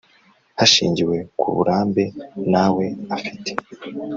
hashingiwe ku burambe nawe afite